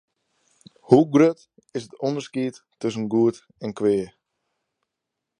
Hoe grut is it ûnderskied tusken goed en kwea?